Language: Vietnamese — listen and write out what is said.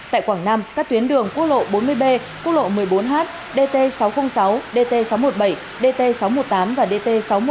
tại quảng nam các tuyến đường quốc lộ bốn mươi b quốc lộ một mươi bốn h dt sáu trăm linh sáu dt sáu trăm một mươi bảy dt sáu trăm một mươi tám và dt sáu trăm một mươi một